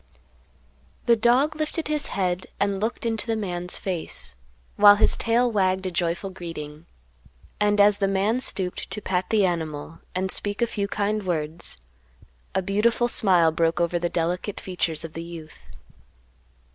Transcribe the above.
The dog lifted his head and looked into the man's face, while his tail wagged a joyful greeting, and, as the man stooped to pat the animal and speak a few kind words, a beautiful smile broke over the delicate features of the youth.